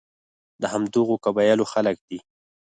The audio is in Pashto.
د همدغو قبایلو خلک دي.